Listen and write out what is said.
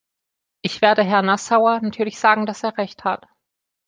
Ich werde Herrn Nassauer natürlich sagen, dass er Recht hat.